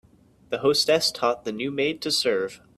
The hostess taught the new maid to serve.